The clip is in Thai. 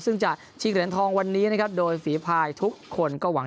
ซึ่งจะชิงเหรียญทองวันนี้นะครับโดยฝีพายทุกคนก็หวัง